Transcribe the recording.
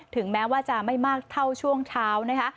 ถึงแม้ว่าจะไม่มากเท่าช่วงเช้านะคะ